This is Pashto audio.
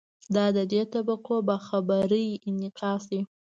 دا د دې طبقو باخبرۍ انعکاس دی.